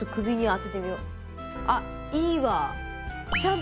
あっいいわ！